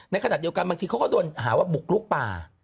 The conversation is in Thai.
ในขณะเดียวกันบางทีเขาก็โดนหาว่าบุกลุกป่า